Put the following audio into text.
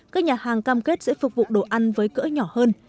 các nhà hàng cam kết sẽ phục vụ đồ ăn với cỡ nhỏ hơn